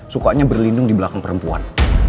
sukanya berlindung di belakang perempuan